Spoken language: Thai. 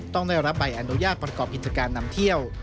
ต้องได้รับใบอนุญาตประกอบกิจการนำเที่ยว